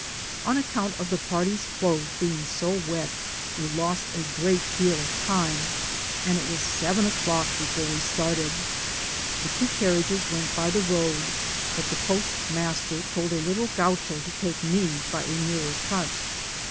On account of the party's clothes being so wet, we lost a great deal of time, and it was seven o'clock before we started. The two carriages wait by the road, but the post master told a little Grauoho to take me by a nearer cut.